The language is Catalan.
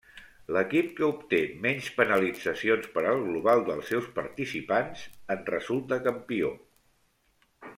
L'equip que obté menys penalitzacions per al global dels seus participants en resulta campió.